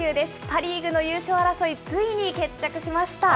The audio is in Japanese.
パ・リーグの優勝争い、ついに決着しました。